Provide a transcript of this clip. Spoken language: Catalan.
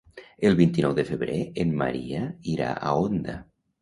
El vint-i-nou de febrer en Maria irà a Onda.